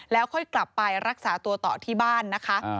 แล้วค่อยกลับไปรักษาตัวต่อที่บ้านนะคะ